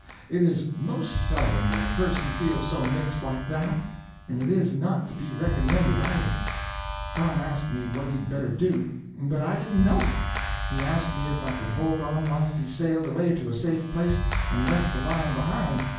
It is most seldom that a person feels so mixed like that; and it is not to be recommended, either. Tom asked me what he'd better do, but I didn't know. He asked me if I could hold on whilst he sailed away to a safe place and left the lion behind.